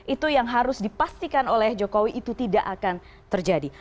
itu yang harus dipastikan oleh jokowi itu tidak akan terjadi